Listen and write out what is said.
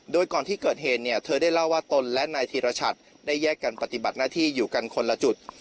โดยก่อนที่เกิดเหตุเนี่ยเธอได้เล่าว่าตนและนายธีรชัดได้แยกกันปฏิบัติหน้าที่อยู่กันคนละจุด